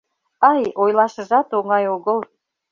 — Ай, ойлашыжат оҥай огыл...